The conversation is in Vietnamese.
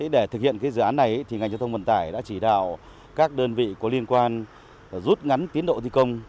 để thực hiện dự án này ngành giao thông vận tải đã chỉ đạo các đơn vị có liên quan rút ngắn tiến độ thi công